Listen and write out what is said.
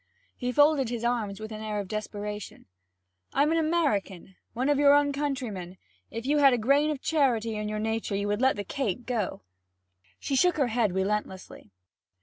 He folded his arms with an air of desperation. 'I'm an American one of your own countrymen; if you had a grain of charity in your nature you would let the cake go.' She shook her head relentlessly.